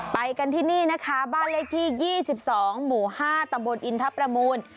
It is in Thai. ไปกันที่นี่นะคะบ้านเลขที่๒๒หมู่๕ตำบลอินทรประมูล